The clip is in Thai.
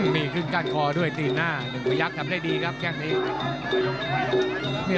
มีขึ้นก้านคอด้วยตีนหน้าหนึ่งพยักษ์ทำได้ดีครับแค่งนี้